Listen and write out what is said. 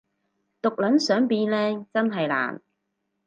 毒撚想變靚真係難